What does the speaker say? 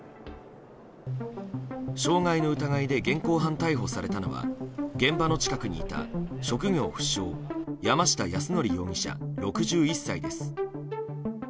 傷害の疑いで現行犯逮捕されたのは現場の近くにいた職業不詳山下泰範容疑者、６１歳です。